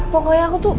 pokoknya aku tuh